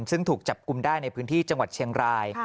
ซึ่งถูกจับกลุ่มได้ในพื้นที่จังหวัดเชียงราย